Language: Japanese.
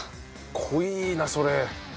濃いいなそれ。